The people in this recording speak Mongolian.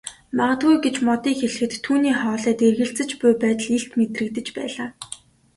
Магадгүй гэж Модыг хэлэхэд түүний хоолойд эргэлзэж буй байдал илт мэдрэгдэж байлаа.